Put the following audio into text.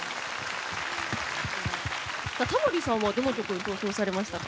タモリさんはどの曲に投票されましたか？